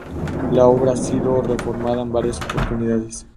La obra ha sido reformada en varias oportunidades.